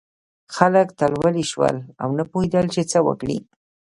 خلک تلولي شول او نه پوهېدل چې څه وکړي.